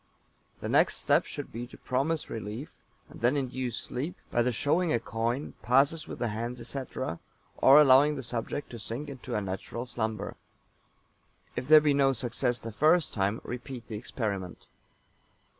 The next step should be to promise relief, and then induce sleep by the showing a coin, passes with the hands, etc., or allowing the subject to sink into a natural slumber. If there be no success the first time, repeat the experiment.